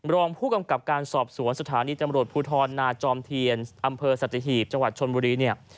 รองผู้กำกับการสอบสวนสถานีตำรวจภูทรนาจอมเทียนอำเภอสัตหีบจังหวัดชนบุรีเนี่ย